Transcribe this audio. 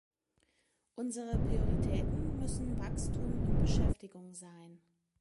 Unsere Prioritäten müssen Wachstum und Beschäftigung sein.